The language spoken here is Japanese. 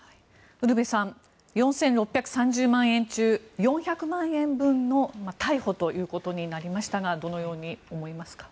ウルヴェさん４６３０万円中４００万円分の逮捕となりましたがどのように思いますか？